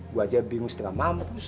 gue aja bingung setelah mampus